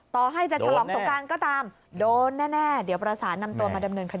ต่อให้จะฉลองสงการก็ตามโดนแน่เดี๋ยวประสานนำตัวมาดำเนินคดี